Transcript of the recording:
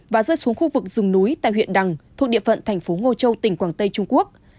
và rơi xuống khu vực rừng núi tại huyện đằng thuộc địa phận thành phố ngô châu tỉnh quảng tây trung quốc